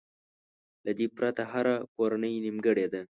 له دې پرته هره کورنۍ نيمګړې ده.